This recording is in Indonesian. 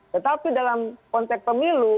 tetapi dalam konteks pemilu